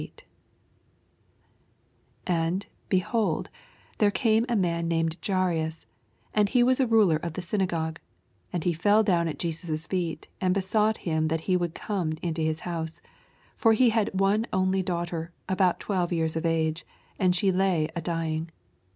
7 41 And^ behold, there came a man named Jaims, and he was a mler of the synagogue : and he fell down at Jesns^ feet, and besought him that he would come into his hou^e : 42 For he had one only daughter, about twelve years of age, and she lay a dying.